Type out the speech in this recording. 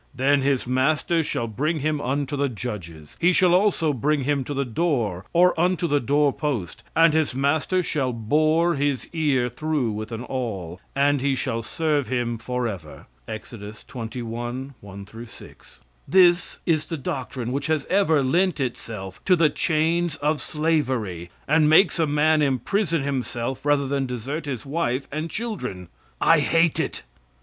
"Then his master shall bring him unto the judges; he shall also bring him to the door, or unto the door post; and his master shall bore his ear through with an awl; and he shall serve him forever." (Exod. xxi, 1 6.) This is the doctrine which has ever lent itself to the chains of slavery, and makes a man imprison himself rather than desert his wife and children. I hate it.